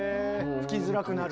吹きづらくなる？